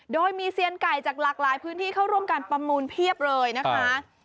โดยมีเซียนไก่จากหลากหลายพื้นที่เข้าร่วมการประมูลเพียบเลยนะคะ